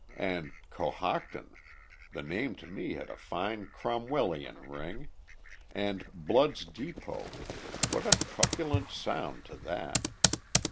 And Cohocton! The name to me had a fine Cromwellian ring; and Blood's Depôt what a truculent sound to that!